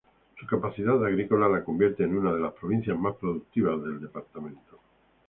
Su capacidad agrícola la convierte en una de las provincias más productivas del departamento.